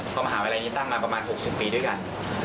เพราะมหาวิทยาลัยนี้ตั้งมาประมาณ๖๐ปีด้วยกัน